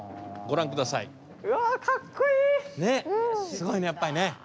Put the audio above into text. すごいねやっぱりね。